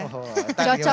oh tanggung jawab